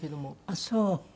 ああそう。